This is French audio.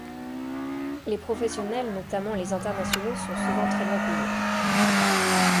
Les professionnels, notamment les internationaux, sont souvent très bien payés.